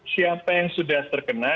siapa yang sudah terkena